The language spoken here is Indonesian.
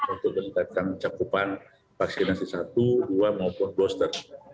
untuk meningkatkan cakupan vaksinasi satu dua maupun booster